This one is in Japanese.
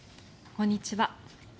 こんにちは。